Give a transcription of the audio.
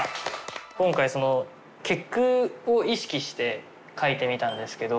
今回結句を意識して書いてみたんですけど。